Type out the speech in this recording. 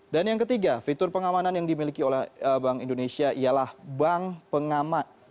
dan yang ketiga fitur pengamanan yang dimiliki oleh bank indonesia ialah bank pengamat